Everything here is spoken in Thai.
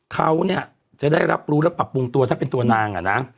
เขาเนี่ยจะได้รับรู้และปรับปรุงตัวถ้าเป็นตัวนางอะนะ